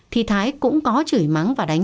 thì thái cũng có chửi mắng và đánh